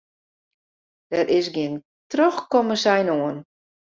Der is gjin trochkommensein oan.